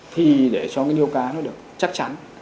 thì để cho cái niêu cá nó được chắc chắn